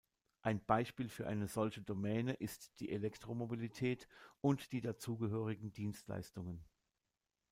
Ein Beispiel für eine solche Domäne ist die Elektromobilität und die dazugehörigen Dienstleistungen.